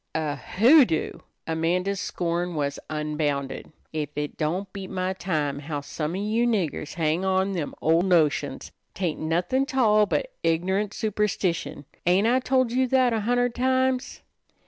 "A hoodoo!" Amanda's scorn was unbounded. "Ef it don't beat my time how some of you niggers hang on to them ol' notions. 'Tain't nothin' 't all but ignorant superstition. Ain't I tol' you that a hunderd times?"